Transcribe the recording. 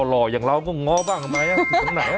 หล่ออย่างเราก็ง้อบ้างทำไมอยู่ตรงไหน